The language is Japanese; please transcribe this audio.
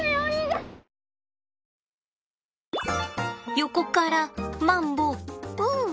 横からマンボウ！